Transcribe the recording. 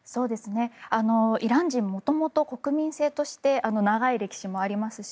イラン人元々、国民性として長い歴史もありますし